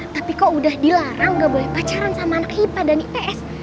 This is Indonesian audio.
tapi kok udah dilarang gak boleh pacaran sama anak hipa dan ips